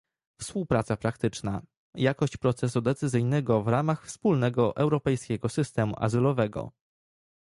współpraca praktyczna, jakość procesu decyzyjnego w ramach wspólnego europejskiego systemu azylowego